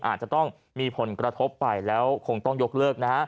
อาจจะต้องมีผลกระทบไปแล้วคงต้องยกเลิกนะฮะ